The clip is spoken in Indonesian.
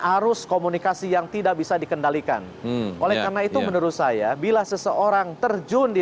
arus komunikasi yang tidak bisa dikendalikan oleh karena itu menurut saya bila seseorang terjun di